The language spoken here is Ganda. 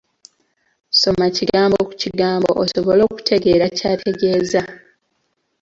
Soma kigambo ku kigambo osobole okutegeera ky'ategeeza.